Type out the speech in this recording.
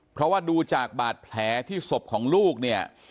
เพราะว่าดูจากบาดแผลที่ศพของลูกเนี่ย